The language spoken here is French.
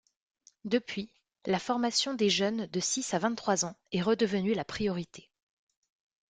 Depuis, la formation des jeunes de six à vingt-trois ans est redevenue la priorité.